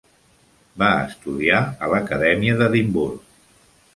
Va estudiar a l'Acadèmia d'Edimburg.